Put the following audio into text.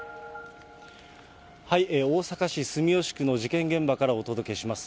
大阪市住吉区の事件現場からお届けします。